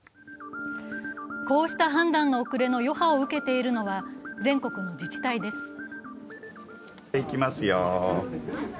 こうした判断の遅れの余波を受けているのは全国の自治体です。